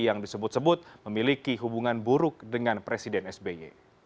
yang disebut sebut memiliki hubungan buruk dengan presiden sby